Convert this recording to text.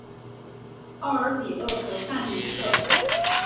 奥尔比厄河畔吕克。